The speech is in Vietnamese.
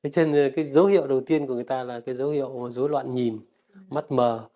thế nên dấu hiệu đầu tiên của người ta là dối loạn nhìn mắt mờ